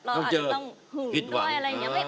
เราอาจจะต้องหืนด้วยอะไรอย่างนี้